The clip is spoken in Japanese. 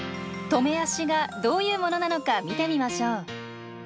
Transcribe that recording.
止め足がどういうものなのか見てみましょう。